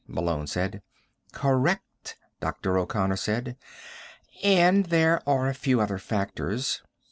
Malone said. "Correct," Dr. O'Connor said. "And there are a few other factors.